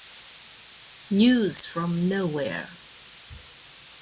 News from Nowhere